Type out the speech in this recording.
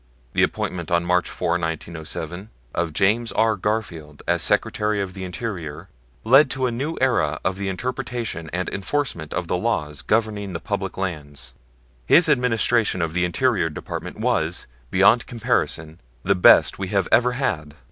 The appointment on March 4, 1907, of James R. Garfield as Secretary of the Interior led to a new era in the interpretation and enforcement of the laws governing the public lands. His administration of the Interior Department was beyond comparison the best we have ever had.